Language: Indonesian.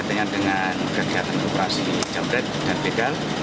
ini berkaitan dengan kegiatan operasi jamret dan gagal